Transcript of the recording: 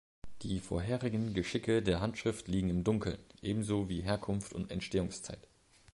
Die vorherigen Geschicke der Handschrift liegen im Dunkeln, ebenso wie Herkunft und Entstehungszeit.